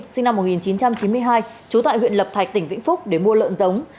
sinh năm một nghìn chín trăm chín mươi hai trú tại huyện lập thạch tỉnh vĩnh phúc để mua lợn giống